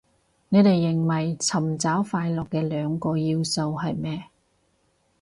你哋認為尋找快樂嘅兩個要素係咩